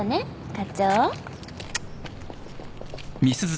課長。